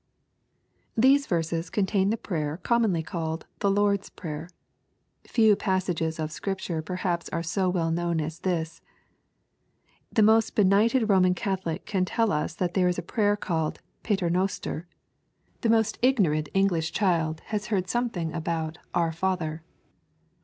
These verses contain the prayer commonly called the Lord's Prayer. Few passages of Scripture perhaps are so well known as this. The most benighted Boman Catholic can tell us that there is a prayer called *' Pater Noster." The most ignorant English child has heard something about " Our Father.